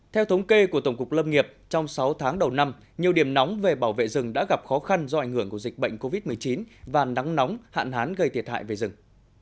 theo thống kê của tổng cục lâm nghiệp trong sáu tháng đầu năm nhiều điểm nóng về bảo vệ rừng đã gặp khó khăn do ảnh hưởng của dịch bệnh covid một mươi chín và nắng nóng hạn hán gây thiệt hại về rừng